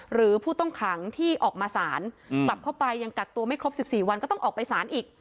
หรือผู้ต้องขังที่ออกมาสารกลับเข้าไปยังกักตัวไม่ครบ๑๔วันก็ต้องออกไปสารอีก